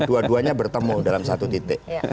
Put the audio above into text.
dua duanya bertemu dalam satu titik